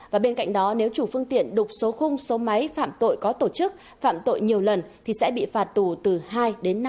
và bên cạnh đó nếu chủ phương tiện đục số khung số máy phạm tội có tổ chức phạm tội nhiều lần thì sẽ bị phạt tù từ hai đến năm mươi